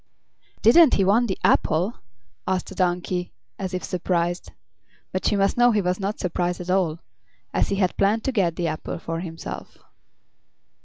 "Didn't he want the apple?" asked the donkey, as if surprised. But you must know he was not surprised at all, as he had planned to get the apple for himself.